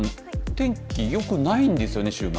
天気良くないんですよね、週末。